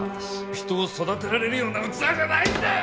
人を育てられるような器じゃないんだよ！